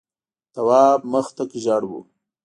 تواب مخ تک ژېړ و.